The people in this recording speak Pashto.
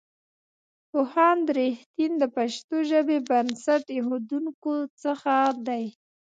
پوهاند رښتین د پښتو ژبې بنسټ ایښودونکو څخه دی.